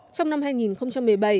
trong năm hai nghìn một mươi bảy